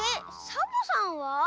サボさんは？